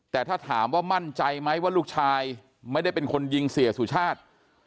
แต่ถ้าถามว่ามั่นใจไหมว่าลูกชายไม่ได้เป็นคนยิงเสียสุชาติ